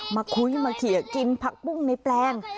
มาคุยมาเคลียร์กินผักปุ้งในแปลง